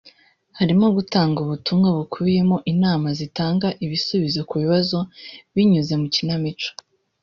harimo gutanga ubutumwa bukubiyemo inama zitanga ibisubizo ku kibazo binyuze mu ikinamico